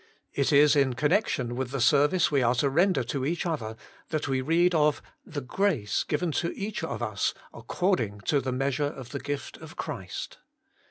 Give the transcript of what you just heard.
It is in connection with the service we are to render to each other that we read of * the grace given to each of us according to the meas ure of the gift of Christ.'